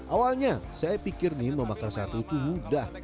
awalnya saya pikir ini memakan sate itu mudah